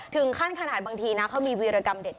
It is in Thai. ถึงขั้นขนาดบางทีนะเขามีวีรกรรมเด็ด